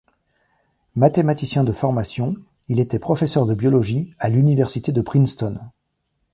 Mathématicien de formation, il était professeur de biologie à l'Université de Princeton.